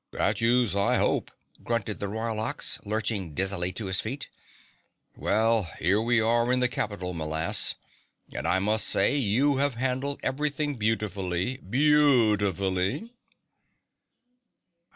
"Statues, I hope," grunted the Royal Ox, lurching dizzily to his feet. "Well, here we are in the capital, m'lass, and I must say you have handled everything beautifully, beautifully!"